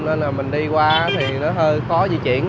nên là mình đi qua thì nó hơi khó di chuyển